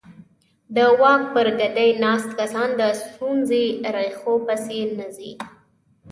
د واک پر ګدۍ ناست کسان د ستونزې ریښو پسې نه ځي.